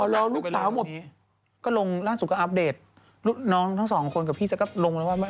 อ๋อแล้วลูกสาวหมดก็ลงร่านสุขาอัพเดทน้องทั้งสองคนกับพี่ซะก็ลงแล้วว่า